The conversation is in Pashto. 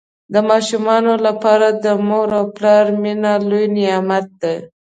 د ماشومانو لپاره د مور او پلار مینه لوی نعمت دی.